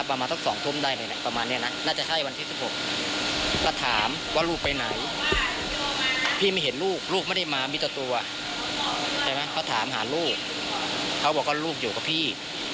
เค้าบอกเราก็หลุงอยู่กับพี่